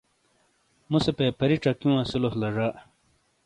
مُوسے پیپری چَکیوں اَسِیلوس لا ڙا۔